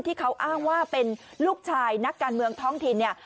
ที่เขาอ้างว่าเป็นลูกชายนักการเมืองท้องถิ่นเนี่ย